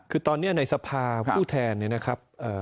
คือตอนนี้ในสภาผู้แทนเนี่ยนะครับ